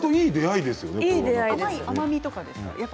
甘みとかですか。